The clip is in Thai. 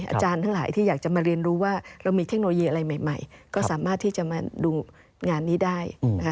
อาจารย์ทั้งหลายที่อยากจะมาเรียนรู้ว่าเรามีเทคโนโลยีอะไรใหม่ก็สามารถที่จะมาดูงานนี้ได้นะคะ